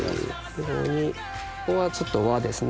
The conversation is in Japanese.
これにここはちょっと和ですね